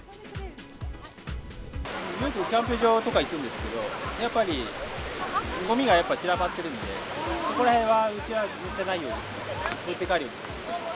よくキャンプ場とか行くんですけど、やっぱり、ごみがやっぱり散らばってるんで、そこらへんはうちは絶対ないように、持って帰るように。